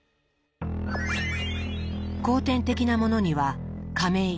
後天的なものには家名